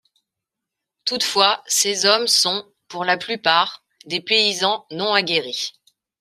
Toutefois, ces hommes sont, pour la plupart, des paysans non aguerris.